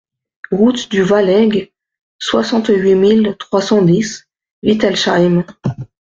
Route du Wahlweg, soixante-huit mille trois cent dix Wittelsheim